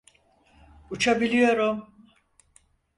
Uçabiliyorum!